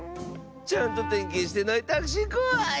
ちゃんとてんけんしてないタクシーこわいッス！